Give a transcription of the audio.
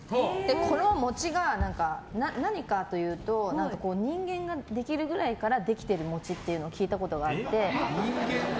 この餅が何かというと人間ができるくらいからできてる餅って聞いたことがあって。